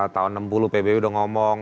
tahun enam puluh pbi udah ngomong